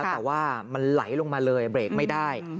แต่ว่ามันไหลลงมาเลยเบรกไม่ได้